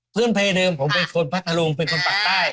พื้นเพลย์เดิมผมเป็นคนพัฒนาลุงเป็นคนปลาใต้